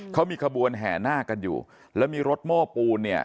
เขามีขบวนแห่นาคกันอยู่แล้วมีรถโม้ปูนเนี่ย